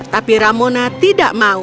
tapi ramona tidak mau